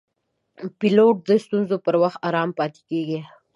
پیلوټ د ستونزو پر وخت آرام پاتې کېږي.